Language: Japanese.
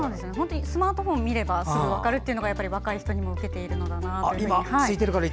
スマートフォンを見ればすぐ分かるのが若い人にも受けているのだなと。